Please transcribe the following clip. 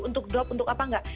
untuk drop untuk apa enggak